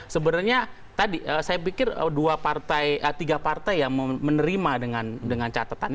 sebenarnya tadi saya pikir tiga partai yang menerima dengan catatan